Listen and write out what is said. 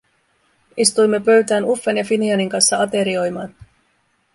Istuimme pöytään Uffen ja Finianin kanssa aterioimaan.